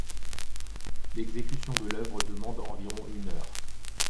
L’exécution de l’œuvre demande environ une heure.